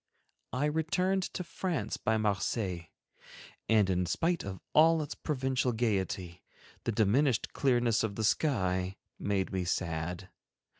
I returned to France by Marseilles, and in spite of all its Provencal gaiety, the diminished clearness of the sky made me sad.